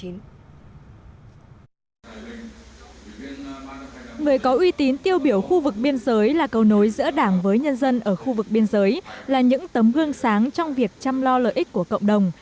người có uy tín tiêu biểu khu vực biên giới là cầu nối giữa đảng với nhân dân ở khu vực biên giới là những tấm gương sáng trong việc chăm lo lợi ích của cộng đồng